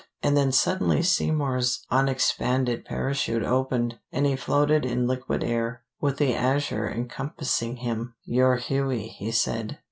And then suddenly Seymour's unexpanded parachute opened, and he floated in liquid air, with the azure encompassing him. "Your Hughie," he said.